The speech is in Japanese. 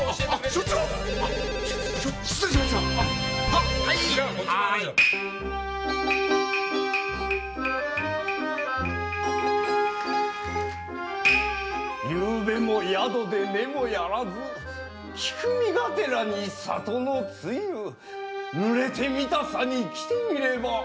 はーいゆうべも宿で寝もやらず菊見がてらに郷の露ぬれてみたさに来てみれば